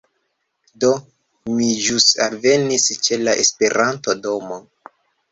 Do, mi ĵus alvenis ĉe la Esperanto-domo